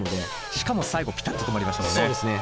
しかも最後ピタッと止まりましたもんね。